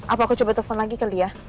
apa aku coba telfon lagi ke dia